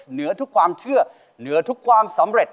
เหนือทุกความเชื่อเหนือทุกความสำเร็จ